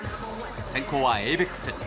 先行はエイベックス。